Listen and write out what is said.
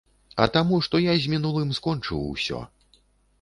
А таму, што я з мінулым скончыў усё.